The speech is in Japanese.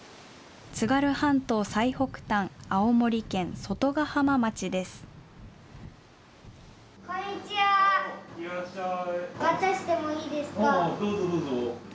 津軽半島最北端、青森県外ヶ浜町です。